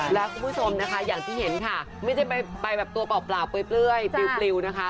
แล้วคุณผู้ชมนะคะอย่างที่เห็นค่ะไม่ได้ไปไปแบบตัวเปล่าเปล่าเปลื้อยเปลื้อยเปรี้ยวเปลื้อน่ะค่ะ